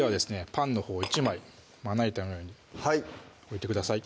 パンのほう１枚まな板の上に置いてください